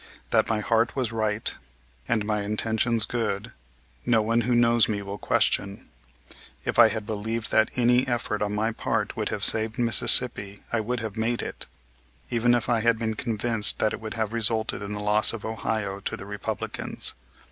That my heart was right and my intentions good, no one who knows me will question. If I had believed that any effort on my part would have saved Mississippi I would have made it, even if I had been convinced that it would have resulted in the loss of Ohio to the Republicans.